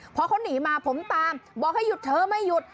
พอเขาหนีมาผมตามบอกให้หยุดเธอไม่หยุด